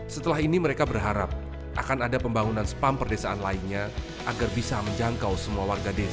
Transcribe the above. setelah ini mereka berharap akan ada pembangunan spam perdesaan lainnya agar bisa menjangkau semua warga desa